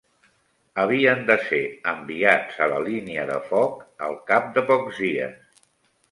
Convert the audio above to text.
Havien de ser enviats a la línia de foc al cap de pocs dies